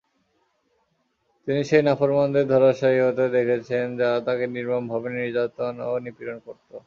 তিনি সেই নাফরমানদের ধরাশায়ী হতে দেখেছেন যারা তাঁকে নির্মম ভাবে নির্যাতন ও নিপীড়ন করত।